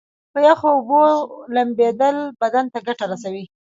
په یخو اوبو لمبیدل بدن ته ګټه رسوي.